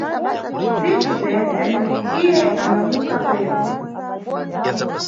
Ntsiku zentse, iye ambamuka kweru.